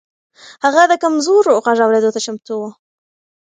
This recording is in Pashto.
هغه د کمزورو غږ اورېدو ته چمتو و.